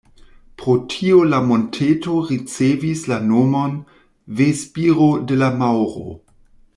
Pro tio la monteto ricevis la nomon "Ve-spiro de la maŭro".